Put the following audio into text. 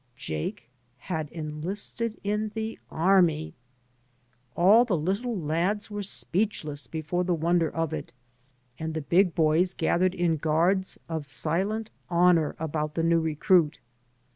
Jake had enlisted in the army. All the little lads were speechless before the wonder of it, and the big boys gathered in guards of silent honour about the new recruit.